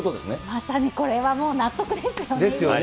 まさにこれはもう納得ですよですよね。